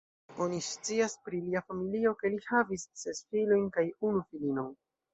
Oni scias pri lia familio, ke li havis ses filojn kaj unu filinon.